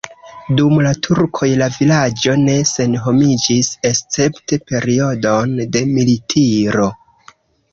Dum la turkoj la vilaĝo ne senhomiĝis, escepte periodon de militiro.